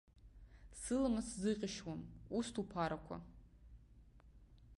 Сыламыс сзыҟьашьуам, усҭ уԥарақәа.